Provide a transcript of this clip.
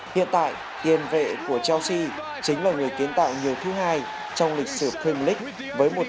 hiện tại tiền vệ của chelsea chính là người kiến tạo nhiều thứ hai trong lịch sử premier league với một trăm một mươi một đồng tiền